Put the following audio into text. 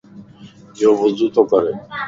يو وضو تو ڪري